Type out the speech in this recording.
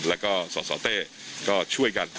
แล้วก็สสเต้ก็ช่วยกัน